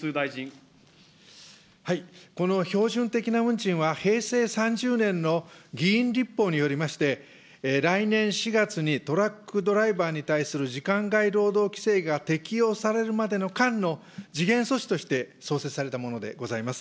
この標準的な運賃は、平成３０年の議員立法によりまして、来年４月にトラックドライバーに対する時間外労働規制が適用されるまでの間の時限措置として創設されたものでございます。